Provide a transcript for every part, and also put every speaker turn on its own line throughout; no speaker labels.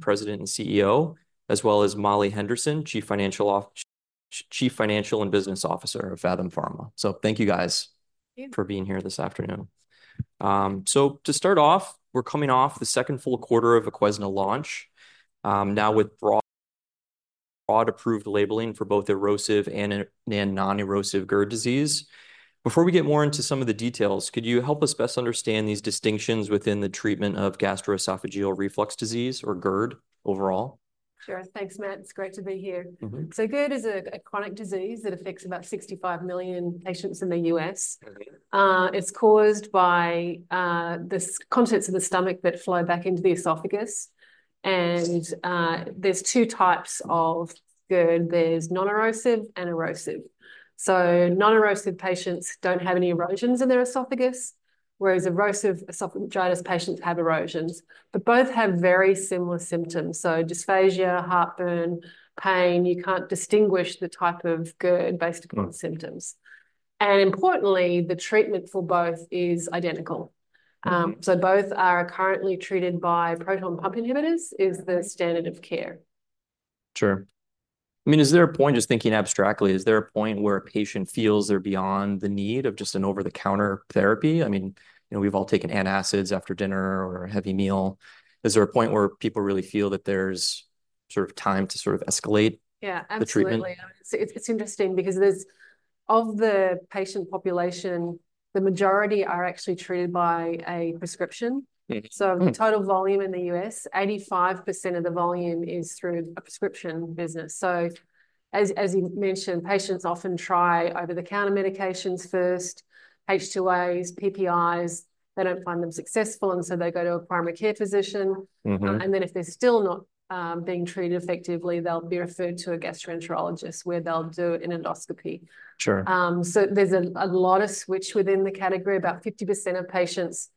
President and CEO, as well as Molly Henderson, Chief Financial and Business Officer of Phathom Pharmaceuticals. So thank you, guys-
Thank you -for being here this afternoon. So to start off, we're coming off the second full quarter of Voquezna launch, now with broad approved labeling for both erosive and non-erosive GERD disease. Before we get more into some of the details, could you help us best understand these distinctions within the treatment of gastroesophageal reflux disease, or GERD, overall? Sure. Thanks, Matt. It's great to be here. GERD is a chronic disease that affects about 65 million patients in the U.S. Okay. It's caused by the contents of the stomach that flow back into the esophagus, and there's two types of GERD. There's non-erosive and erosive. So non-erosive patients don't have any erosions in their esophagus, whereas erosive esophagitis patients have erosions, but both have very similar symptoms, so dysphagia, heartburn, pain. You can't distinguish the type of GERD based upon symptoms, and importantly, the treatment for both is identical. So both are currently treated by proton pump inhibitors, is the standard of care. Sure. I mean, is there a point, just thinking abstractly, is there a point where a patient feels they're beyond the need of just an over-the-counter therapy? I mean, you know, we've all taken antacids after dinner or a heavy meal. Is there a point where people really feel that there's sort of time to sort of escalate- Yeah, absolutely... the treatment? It's interesting because of the patient population, the majority are actually treated by a prescription. The total volume in the U.S., 85% of the volume is through a prescription business. As you mentioned, patients often try over-the-counter medications first, H2RAs, PPIs. They don't find them successful, and so they go to a primary care physician. If they're still not being treated effectively, they'll be referred to a gastroenterologist, where they'll do an endoscopy. Sure. So there's a lot of switch within the category. About 50% of patients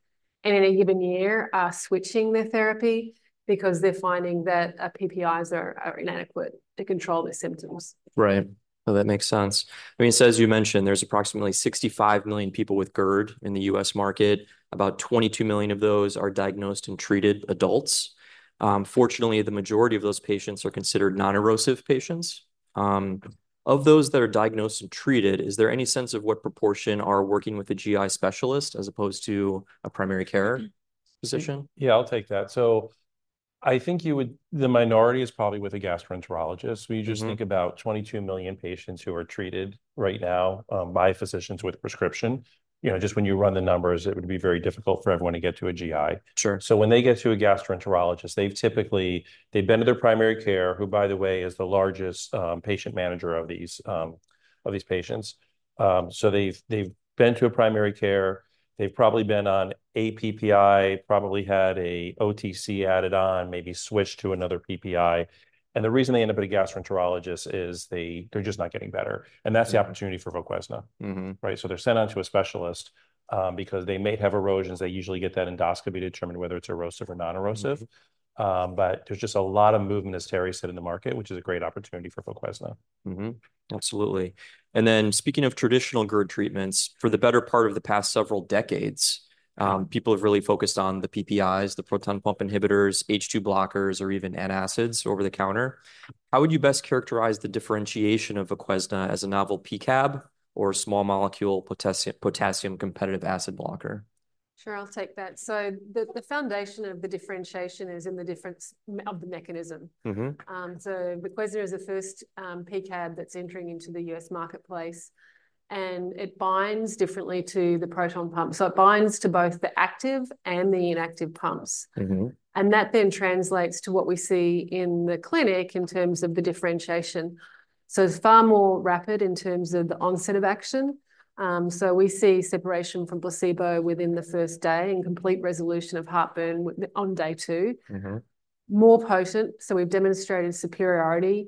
in any given year are switching their therapy because they're finding that PPIs are inadequate to control their symptoms. Right. That makes sense. I mean, so as you mentioned, there's approximately 65 million people with GERD in the US market. About 22 million of those are diagnosed and treated adults. Fortunately, the majority of those patients are considered non-erosive patients. Of those that are diagnosed and treated, is there any sense of what proportion are working with a GI specialist as opposed to a primary care physician?
Yeah, I'll take that. So I think you would... The minority is probably with a gastroenterologist, when you just think about 22 million patients who are treated right now by physicians with prescription. You know, just when you run the numbers, it would be very difficult for everyone to get to a GI. Sure. So when they get to a gastroenterologist, they've typically, they've been to their primary care, who, by the way, is the largest patient manager of these patients. So they've been to a primary care. They've probably been on a PPI, probably had an OTC added on, maybe switched to another PPI, and the reason they end up at a gastroenterologist is they're just not getting better, and that's the opportunity for Voquezna. Right? So they're sent on to a specialist, because they may have erosions. They usually get that endoscopy to determine whether it's erosive or non-erosive. But there's just a lot of movement, as Terrie said, in the market, which is a great opportunity for Voquezna. Mm-hmm. Absolutely. And then speaking of traditional GERD treatments, for the better part of the past several decades, people have really focused on the PPIs, the proton pump inhibitors, H2 blockers, or even antacids over the counter. How would you best characterize the differentiation of Voquezna as a novel P-CAB or small molecule potassium competitive acid blocker?
Sure, I'll take that. So the foundation of the differentiation is in the difference of the mechanism. Voquezna is the first P-CAB that's entering into the U.S. marketplace, and it binds differently to the proton pump. So it binds to both the active and the inactive pumps. That then translates to what we see in the clinic in terms of the differentiation. It's far more rapid in terms of the onset of action. We see separation from placebo within the first day and complete resolution of heartburn on day two. More potent, so we've demonstrated superiority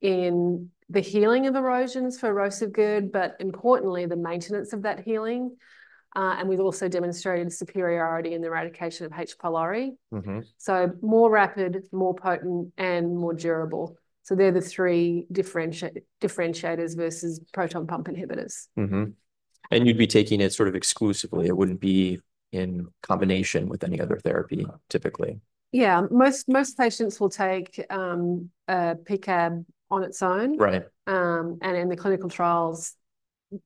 in the healing of erosions for erosive GERD, but importantly, the maintenance of that healing. And we've also demonstrated superiority in the eradication of H. pylori. So more rapid, more potent, and more durable. So they're the three differentiators versus proton pump inhibitors. Mm-hmm, and you'd be taking it sort of exclusively. It wouldn't be in combination with any other therapy typically. Yeah, most patients will take a P-CAB on its own. Right. And in the clinical trials,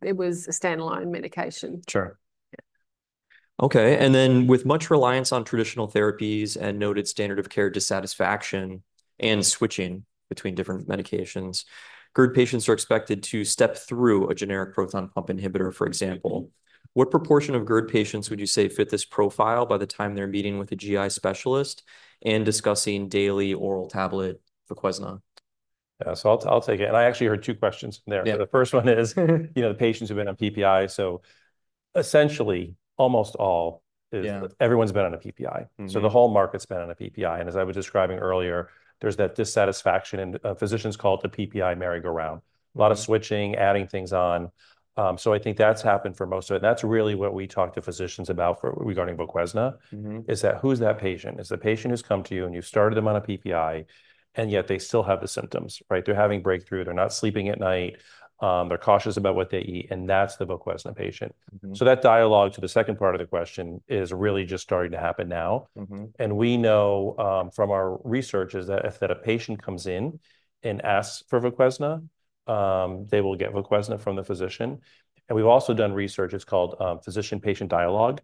it was a standalone medication. Sure. Yeah. Okay, and then with much reliance on traditional therapies and noted standard of care dissatisfaction and switching between different medications, GERD patients are expected to step through a generic proton pump inhibitor, for example. What proportion of GERD patients would you say fit this profile by the time they're meeting with a GI specialist and discussing daily oral tablet, Voquezna?
So I'll take it, and I actually heard two questions there. Yeah. So the first one is, you know, the patients who've been on PPI, so essentially, almost all everyone's been on a PPI. So the whole market's been on a PPI, and as I was describing earlier, there's that dissatisfaction, and physicians call it the PPI merry-go-round. A lot of switching, adding things on, so I think that's happened for most of it. That's really what we talk to physicians about for, regarding Voquezna is that, who's that patient? It's the patient who's come to you, and you've started them on a PPI, and yet they still have the symptoms, right? They're having breakthrough. They're not sleeping at night. They're cautious about what they eat, and that's the Voquezna patient. So that dialogue, to the second part of the question, is really just starting to happen now. And we know from our research is that if a patient comes in and asks for Voquezna, they will get Voquezna from the physician. And we've also done research, it's called physician-patient dialogue.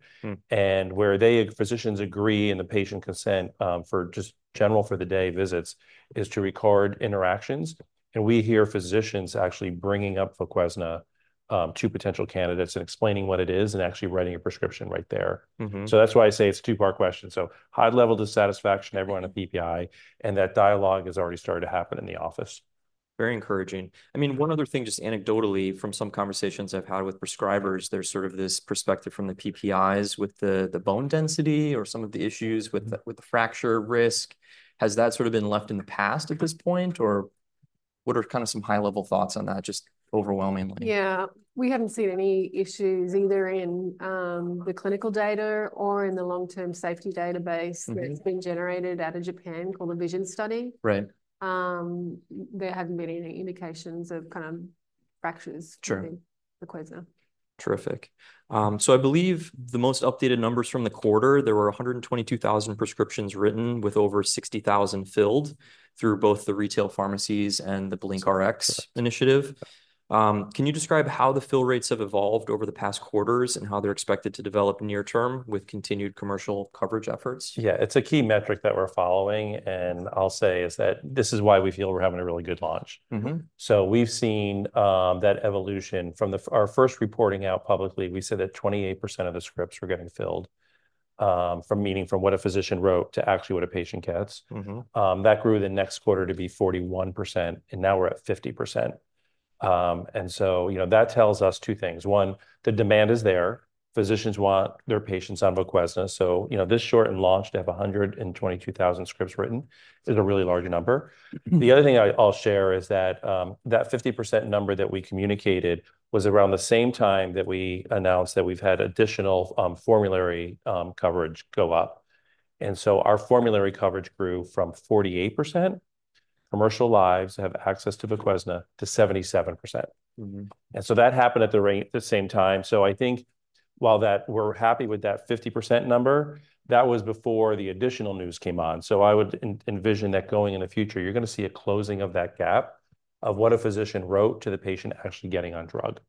Where they, physicians agree, and the patient consent, for just general for the day visits, is to record interactions, and we hear physicians actually bringing up Voquezna to potential candidates and explaining what it is, and actually writing a prescription right there. So that's why I say it's a two-part question. So high-level dissatisfaction, everyone on PPI, and that dialogue has already started to happen in the office. Very encouraging. I mean, one other thing, just anecdotally, from some conversations I've had with prescribers, there's sort of this perspective from the PPIs with the bone density or some of the issues with the with the fracture risk. Has that sort of been left in the past at this point, or what are kind of some high-level thoughts on that, just overwhelmingly?
Yeah, we haven't seen any issues, either in the clinical data or in the long-term safety database that's been generated out of Japan, called the Asian study. Right. There haven't been any indications of kind of fractures. Sure... with Voquezna. Terrific. So I believe the most updated numbers from the quarter, there were 122,000 prescriptions written, with over 60,000 filled through both the retail pharmacies and the BlinkRx initiative. Can you describe how the fill rates have evolved over the past quarters, and how they're expected to develop near-term with continued commercial coverage efforts?
Yeah, it's a key metric that we're following, and I'll say is that this is why we feel we're having a really good launch. We've seen that evolution from our first reporting out publicly. We said that 28% of the scripts were getting filled, from what a physician wrote to actually what a patient gets. That grew the next quarter to be 41%, and now we're at 50%, and so, you know, that tells us two things. One, the demand is there. Physicians want their patients on Voquezna, so, you know, this short in launch to have 122,000 scripts written is a really large number. The other thing I'll share is that that 50% number that we communicated was around the same time that we announced that we've had additional formulary coverage go up, and so our formulary coverage grew from 48% commercial lives have access to Voquezna to 77%. And so that happened at the same time. So I think while that we're happy with that 50% number, that was before the additional news came on. So I would envision that going in the future, you're gonna see a closing of that gap of what a physician wrote to the patient actually getting on drug.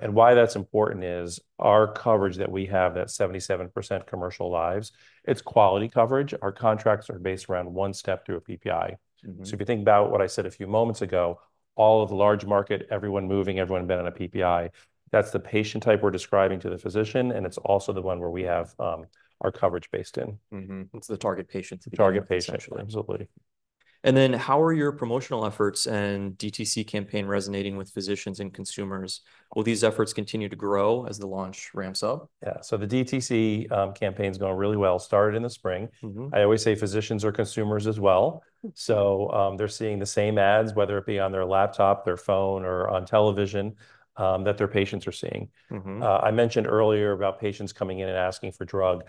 Why that's important is our coverage that we have, that 77% commercial lives, it's quality coverage. Our contracts are based around one step through a PPI. If you think about what I said a few moments ago, all of the large market, everyone moving, everyone being on a PPI, that's the patient type we're describing to the physician, and it's also the one where we have our coverage based in. Target patient... essentially. Absolutely. Then, how are your promotional efforts and DTC campaign resonating with physicians and consumers? Will these efforts continue to grow as the launch ramps up? Yeah. So the DTC campaign's going really well, started in the spring. I always say physicians are consumers as well. They're seeing the same ads, whether it be on their laptop, their phone, or on television, that their patients are seeing. I mentioned earlier about patients coming in and asking for drug.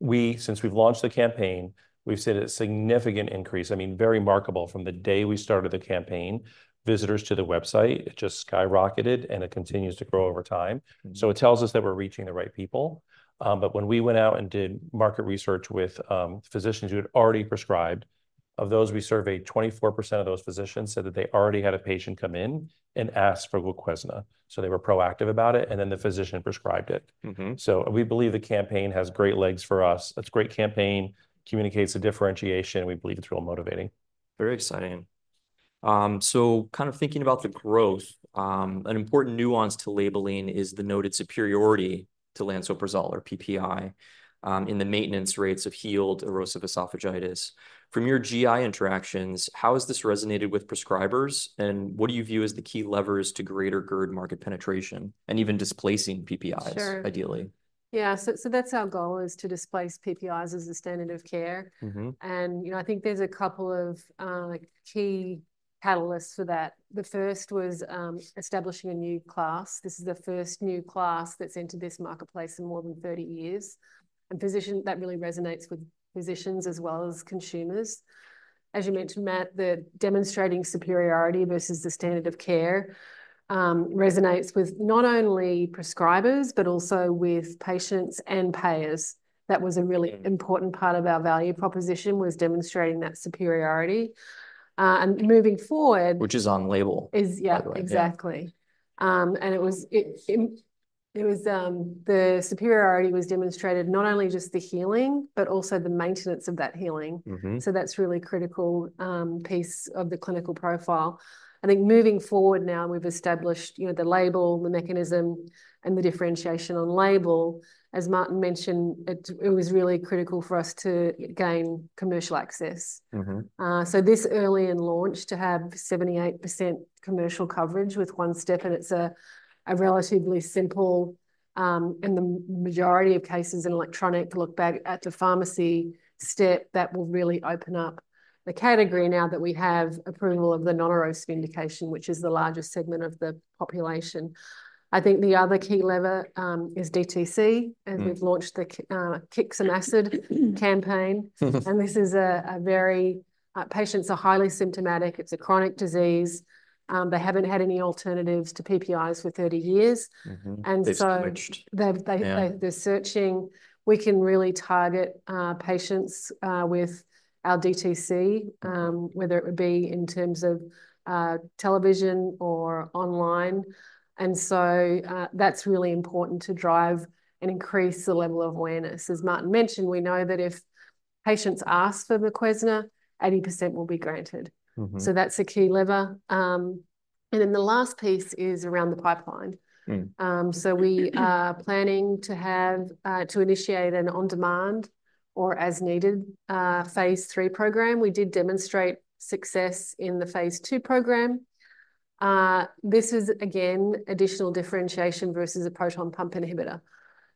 We, since we've launched the campaign, we've seen a significant increase, I mean, very remarkable. From the day we started the campaign, visitors to the website, it just skyrocketed, and it continues to grow over time. So it tells us that we're reaching the right people. But when we went out and did market research with physicians who had already prescribed, of those we surveyed, 24% of those physicians said that they already had a patient come in and ask for Voquezna. So they were proactive about it, and then the physician prescribed it. So we believe the campaign has great legs for us. It's a great campaign, communicates the differentiation, we believe it's real motivating. Very exciting. So kind of thinking about the growth, an important nuance to labeling is the noted superiority to lansoprazole or PPI in the maintenance rates of healed erosive esophagitis. From your GI interactions, how has this resonated with prescribers, and what do you view as the key levers to greater GERD market penetration, and even displacing PPIs?
Sure ... ideally? Yeah. So, that's our goal, is to displace PPIs as the standard of care. You know, I think there's a couple of key catalysts for that. The first was establishing a new class. This is the first new class that's entered this marketplace in more than 30 years, and that really resonates with physicians as well as consumers. As you mentioned, Matt, the demonstrating superiority versus the standard of care resonates with not only prescribers but also with patients and payers. That was a really important part of our value proposition, was demonstrating that superiority, and moving forward- Which is on label- Is, yeah- By the way... exactly. And it was the superiority was demonstrated not only just the healing but also the maintenance of that healing. So that's really critical piece of the clinical profile. I think moving forward now, we've established, you know, the label, the mechanism, and the differentiation on label. As Martin mentioned, it was really critical for us to gain commercial access. So this early in launch, to have 78% commercial coverage with one step, and it's a relatively simple, and the majority of cases in electronic look back at the pharmacy step, that will really open up the category now that we have approval of the non-erosive indication, which is the largest segment of the population. I think the other key lever is DTC. And we've launched the Kick Some Acid campaign. And this is a very patients are highly symptomatic. It's a chronic disease. They haven't had any alternatives to PPIs for 30 years. And so- They've clenched. They've, they- Yeah... they, they're searching. We can really target patients with our DTC, whether it would be in terms of television or online. So that's really important to drive and increase the level of awareness. As Martin mentioned, we know that if patients ask for Voquezna, 80% will be granted. So that's a key lever. And then the last piece is around the pipeline. We are planning to initiate an on-demand or as-needed phase three program. We did demonstrate success in the phase two program. This is, again, additional differentiation versus a proton pump inhibitor.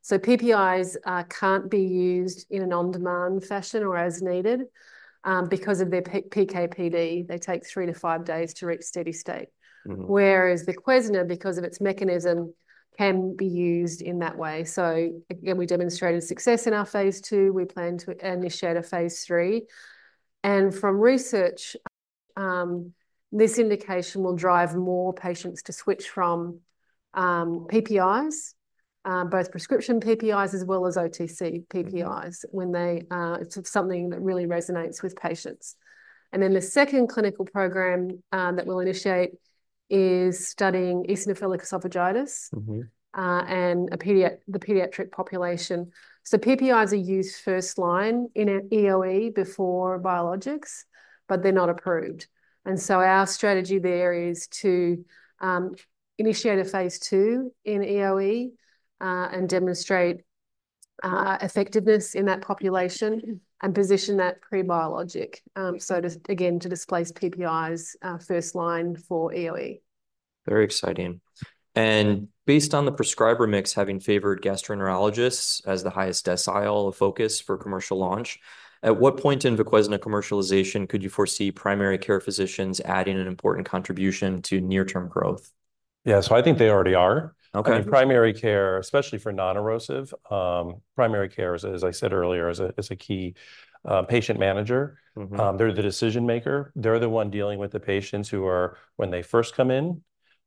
So PPIs can't be used in an on-demand fashion or as needed because of their PK/PD. They take three to five days to reach steady state. Whereas Voquezna, because of its mechanism, can be used in that way. So again, we demonstrated success in our phase two. We plan to initiate a phase three, and from research, this indication will drive more patients to switch from PPIs, both prescription PPIs, as well as OTC PPIs, when they. It's something that really resonates with patients. And then the second clinical program that we'll initiate is studying eosinophilic esophagitis and a pediatric population. So PPIs are used first line in an EoE before biologics, but they're not approved, and so our strategy there is to initiate a phase two in EoE and demonstrate effectiveness in that population and position that pre-biologic, so to again to displace PPIs first line for EoE. Very exciting, and based on the prescriber mix having favored gastroenterologists as the highest decile of focus for commercial launch, at what point in Voquezna commercialization could you foresee primary care physicians adding an important contribution to near-term growth?
Yeah, so I think they already are. Okay. I mean, primary care, especially for non-erosive, primary care is, as I said earlier, a key patient manager. They're the decision-maker. They're the one dealing with the patients who are... when they first come in,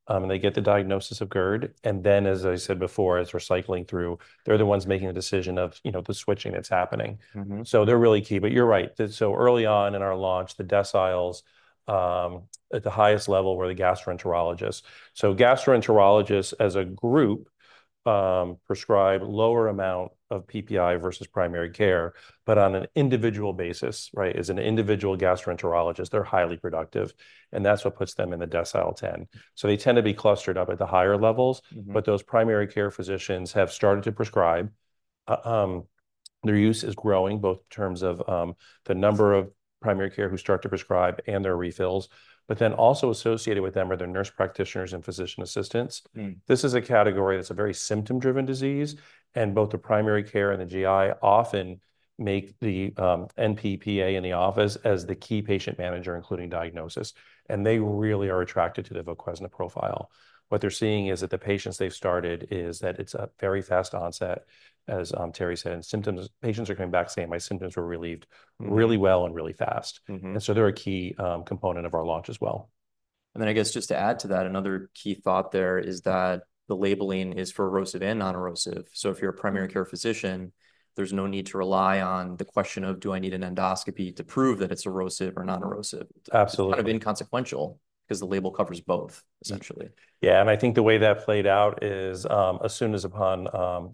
and they get the diagnosis of GERD, and then, as I said before, as we're cycling through, they're the ones making the decision of, you know, the switching that's happening. So they're really key, but you're right, that so early on in our launch, the deciles, at the highest level, were the gastroenterologists. So gastroenterologists, as a group, prescribe lower amount of PPI versus primary care, but on an individual basis, right, as an individual gastroenterologist, they're highly productive, and that's what puts them in the decile 10. So they tend to be clustered up at the higher levels but those primary care physicians have started to prescribe. Their use is growing both in terms of the number of primary care who start to prescribe and their refills, but then also associated with them are their nurse practitioners and physician assistants. This is a category that's a very symptom-driven disease, and both the primary care and the GI often make the NP/PA in the office as the key patient manager, including diagnosis, and they really are attracted to the Voquezna profile. What they're seeing is that the patients they've started is that it's a very fast onset, as Terrie said, and symptoms patients are coming back saying, "My symptoms were relieved really well and really fast. And so they're a key component of our launch as well. And then I guess just to add to that, another key thought there is that the labelling is for erosive and non-erosive, so if you're a primary care physician, there's no need to rely on the question of, "Do I need an endoscopy to prove that it's erosive or non-erosive? Absolutely. It's kind of inconsequential because the label covers both, essentially. Yeah, and I think the way that played out is, as soon as upon,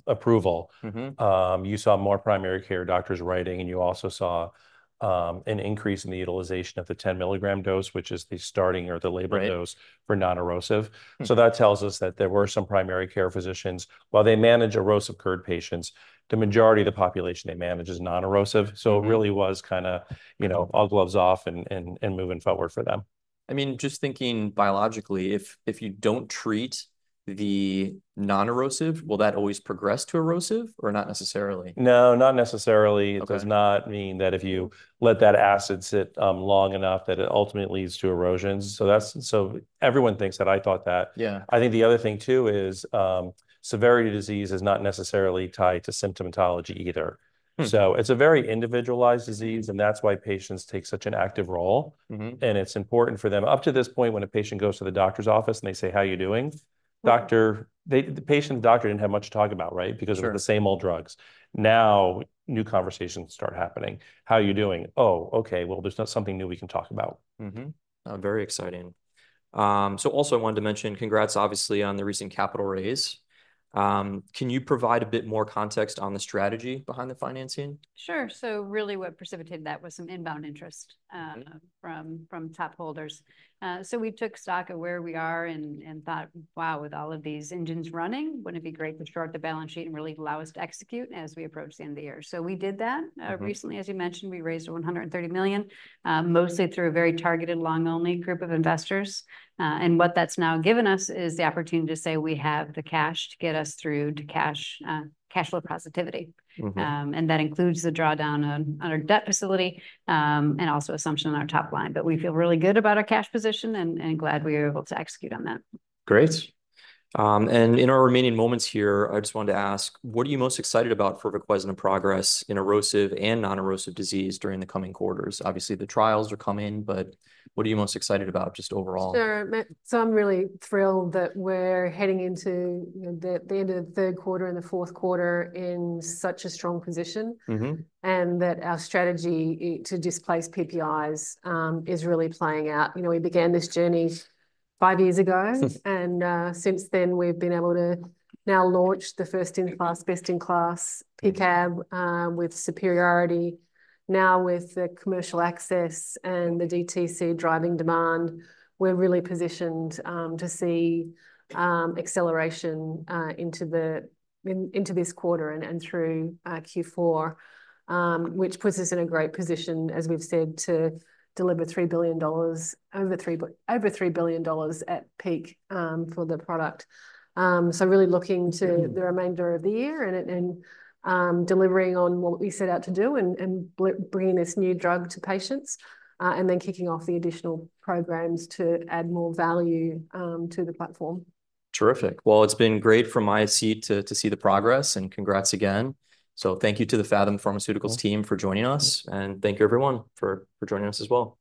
approval you saw more primary care doctors writing, and you also saw an increase in the utilization of the 10-milligram dose, which is the starting or the labor dose- Right... for non-erosive. So that tells us that there were some primary care physicians, while they manage erosive GERD patients, the majority of the population they manage is non-erosive. It really was kind of, you know, all gloves off and moving forward for them. I mean, just thinking biologically, if you don't treat the non-erosive, will that always progress to erosive or not necessarily? No, not necessarily. Okay. It does not mean that if you let that acid sit, long enough, that it ultimately leads to erosions. Everyone thinks that I thought that. I think the other thing, too, is, severity of disease is not necessarily tied to symptomatology either. So it's a very individualized disease, and that's why patients take such an active role. It's important for them. Up to this point, when a patient goes to the doctor's office, and they say, "How are you doing?" Doctor, they, the patient and the doctor didn't have much to talk about, right? Because of the same old drugs. Now, new conversations start happening. "How are you doing?" "Oh, okay, well, there's not something new we can talk about. Mm-hmm. Very exciting. So also, I wanted to mention, congrats obviously on the recent capital raise. Can you provide a bit more context on the strategy behind the financing?
Sure. So really what precipitated that was some inbound interest from top holders. So we took stock of where we are and thought, "Wow, with all of these engines running, wouldn't it be great to shore up the balance sheet and really allow us to execute as we approach the end of the year?" So we did that. Recently, as you mentioned, we raised $130 million, mostly through a very targeted long-only group of investors. And what that's now given us is the opportunity to say we have the cash to get us through to cash flow positivity. And that includes the drawdown on our debt facility, and also assumption on our top line. But we feel really good about our cash position and glad we were able to execute on that. Great. And in our remaining moments here, I just wanted to ask: What are you most excited about for Voquezna progress in erosive and non-erosive disease during the coming quarters? Obviously, the trials are coming, but what are you most excited about, just overall?
Sure, so I'm really thrilled that we're heading into the end of the Q3 and the Q4 in such a strong position... and that our strategy to displace PPIs is really playing out. You know, we began this journey five years ago. And since then, we've been able to now launch the first-in-class, best-in-class P-CAB with superiority. Now, with the commercial access and the DTC driving demand, we're really positioned to see acceleration into this quarter and through Q4, which puts us in a great position, as we've said, to deliver $3 billion, over $3 billion at peak for the product. So really looking to the remainder of the year and delivering on what we set out to do and bringing this new drug to patients, and then kicking off the additional programs to add more value to the platform. Terrific. Well, it's been great from my seat to see the progress, and congrats again. So thank you to the Phathom Pharmaceuticals team for joining us, and thank you, everyone, for joining us as well.